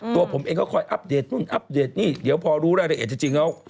ตัวผมเองก็คอยอัปเดตนู่นอัปเดตนี่เดี๋ยวพอรู้รายละเอียดจริงแล้ว